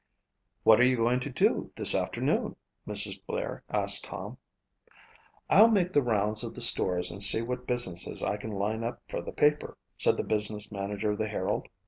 "What are you going to do this afternoon?" Mrs. Blair asked Tom. "I'll make the rounds of the stores and see what business I can line up for the paper," said the business manager of the Herald.